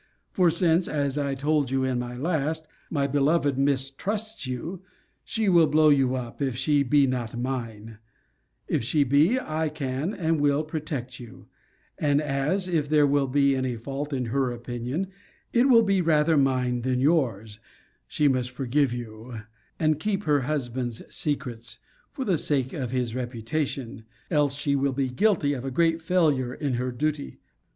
For since (as I told you in my last) my beloved mistrusts you, she will blow you up, if she be not mine; if she be, I can, and will, protect you; and as, if there will be any fault, in her opinion, it will be rather mine than yours, she must forgive you, and keep her husband's secrets, for the sake of his reputation; else she will be guilty of a great failure in her duty.